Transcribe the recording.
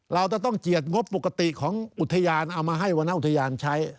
เราจะต้องเจียดงบปกติของอุทยานเอามาให้วรรณอุทยานใช้